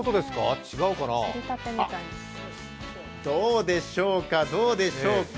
あっ、どうでしょうかどうでしょうか。